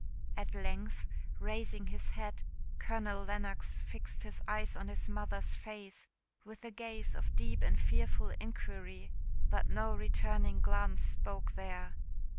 At length, raising his head, Colonel Lennox fixed his eyes on his mother's face with a gaze of deep and fearful inquiry; but no returning glance spoke there.